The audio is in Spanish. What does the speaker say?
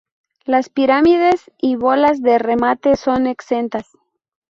Las pirámides y bolas de remate son exentas.